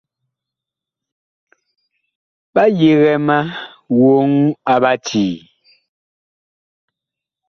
Ɓa yigɛ ma woŋ a Ɓacii.